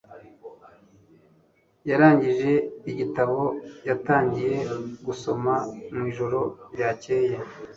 yarangije igitabo yatangiye gusoma mwijoro ryakeye.